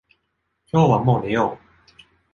今日はもう寝よう。